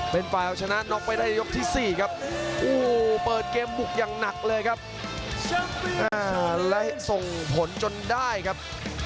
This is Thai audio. เป็นฝ่ายเอาชนะน็อคไปได้ยกที่๔ครับ